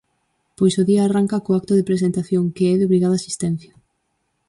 Pois o día arranca co acto de presentación que é de obrigada asistencia.